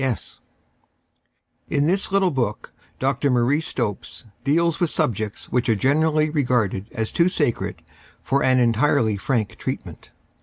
b., b.s. IN this little book Dr. Marie Slopes deals with subjects which are generally regarded as too sacred for an entirely frank treatment.